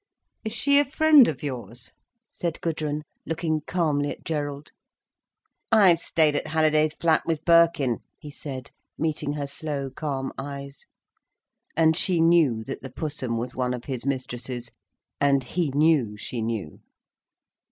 "Is she a friend of yours?" said Gudrun, looking calmly at Gerald. "I've stayed at Halliday's flat with Birkin," he said, meeting her slow, calm eyes. And she knew that the Pussum was one of his mistresses—and he knew she knew.